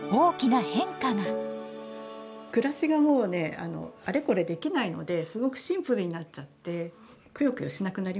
暮らしがもうねあれこれできないのですごくシンプルになっちゃってクヨクヨしなくなりましたね。